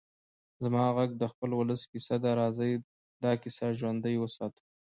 زما غږ د خپل ولس کيسه ده؛ راځئ دا کيسه ژوندۍ وساتو.